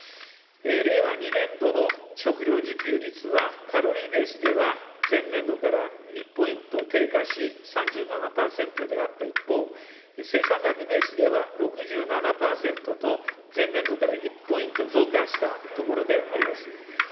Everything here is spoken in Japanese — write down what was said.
令和２年度の食料自給率は、カロリーベースでは、前年度から１ポイント低下し３７％であった一方、生産額ベースでは、６７％と、前年度から１ポイント増加したところであります。